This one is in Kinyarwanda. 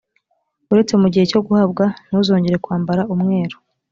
uretse mu gihe cyo guhabwa ntuzongere kwambara umweru